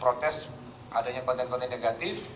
protes adanya konten konten negatif